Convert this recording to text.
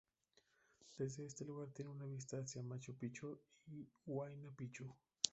Desde este lugar tiene una vista hacia Machu Picchu y Huayna Picchu.